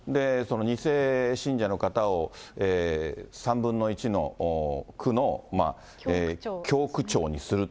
２世信者の方を３分の１の区の教区長にする。